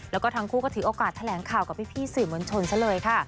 แล้วก็ทั้งคู่ก็ถือโอกาสแถลงข่าวกับพี่สื่อมวลชนซะเลยค่ะ